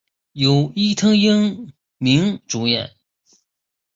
由伊藤英明主演。